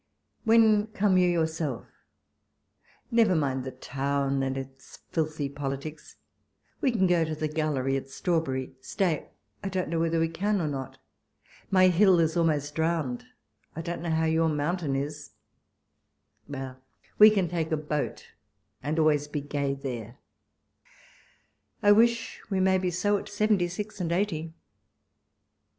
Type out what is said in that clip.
When come you yourself ? Never mind the town and its filthy politics ; we can go to the gallery at Strawberry — stay, I don't know whether we can or not, my hill is almost iliowned, 1 don't know how your mountain is — well, we can take a boat, and always be gay there ; I wish we may be so at seventy six and eighty